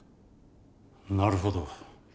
なるほど。